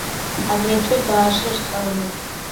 აგრეთვე დააშრეს ჭაობები.